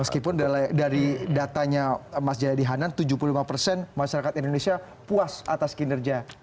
meskipun dari datanya mas jayadi hanan tujuh puluh lima persen masyarakat indonesia puas atas kinerja